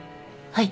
「はい」